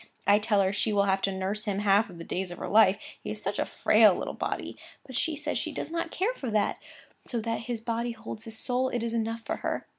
I tell her she will have to nurse him half the days of her life, he is such a frail little body. But she says she does not care for that; so that his body holds his soul, it is enough for her.